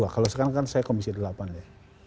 kalau sekarang kan saya komisi delapan ya